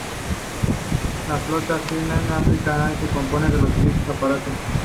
La flota de Fly East African Air se compone de los siguientes aparatos